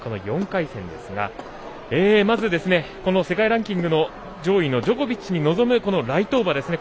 ４回戦ですがまず、世界ランキングの上位のジョコビッチに臨むライトーバですね。